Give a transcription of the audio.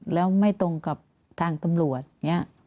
แล้วไม่ตรงกับทางตำรวจ